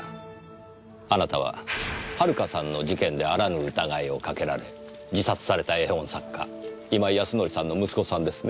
あなたは遥さんの事件であらぬ疑いをかけられ自殺された絵本作家今井康則さんの息子さんですね？